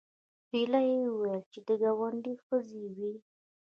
هیلې وویل چې د ګاونډي ښځې وې